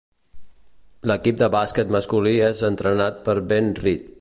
L'equip de bàsquet masculí és entrenat per Ben Reed.